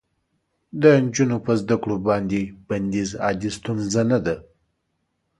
د نجونو په زده کړو باندې بندیز عادي ستونزه نه ده.